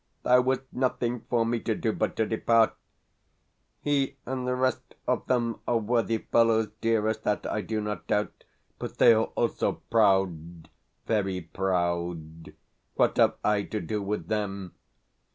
There was nothing for me to do but to depart. He and the rest of them are worthy fellows, dearest that I do not doubt but they are also proud, very proud. What have I to do with them?